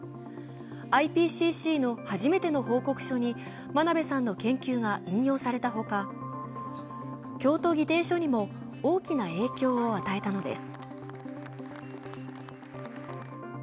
ＩＰＣＣの初めての報告書に真鍋さんの研究が引用された他、京都議定書にも大きな影響を与えたのです。